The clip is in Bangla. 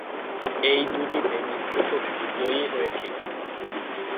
এই দুটিতে মিত্রশক্তি জয়ী হয়েছিল।